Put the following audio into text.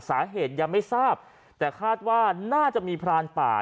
สาเหตุยังไม่ทราบแต่คาดว่าน่าจะมีพรานป่า